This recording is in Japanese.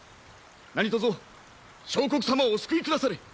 何とぞ相国様をお救いくだされ。